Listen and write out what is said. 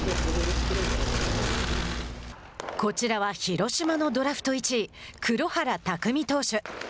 こちらは広島のドラフト１位黒原拓未投手。